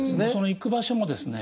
いく場所もですね